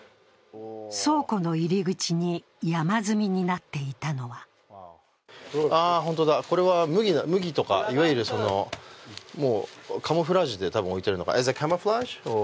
倉庫の入り口に山積みになっていたのはこれは麦とか、いわゆるカモフラージュで多分置いてある。